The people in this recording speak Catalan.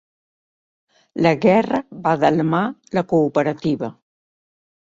La guerra va delmar la cooperativa.